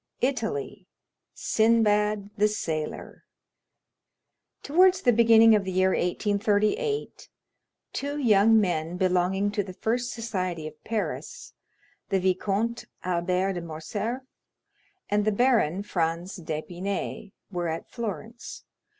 Italy: Sinbad the Sailor Towards the beginning of the year 1838, two young men belonging to the first society of Paris, the Viscount Albert de Morcerf and the Baron Franz d'Épinay, were at Florence.